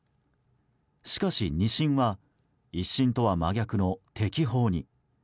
しかし、２審は１審とは真逆の適法に。